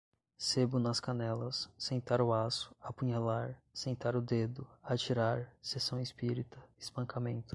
sebo nas canelas, sentar o aço, apunhalar, sentar o dedo, atirar, sessão espírita, espancamento